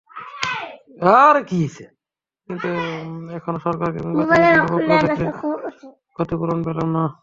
কিন্তু এখনো সরকার কিংবা চিনিকলের পক্ষ থেকে কোনো ক্ষতিপূরণ পেলাম না।